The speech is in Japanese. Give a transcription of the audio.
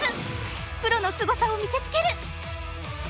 プロのすごさを見せつける！